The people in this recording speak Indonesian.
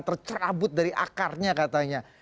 tercerabut dari akarnya katanya